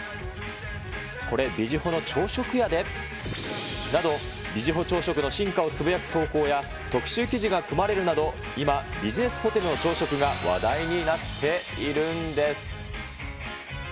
これ、ビジホの朝食やでなど、ビジホ朝食の進化をつぶやく投稿や、特集記事が組まれるなど、今、ビジネスホテルの朝食が話題になっているんです。